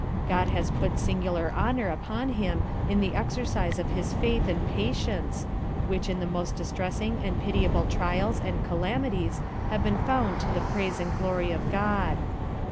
God has put singular Honour upon him in the Exercise of his Faith and Patience, which in the most distressing and pitiable Trials and Calamities have been found to the Praise and Glory of God.